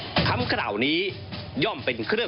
ก็ได้มีการอภิปรายในภาคของท่านประธานที่กรกครับ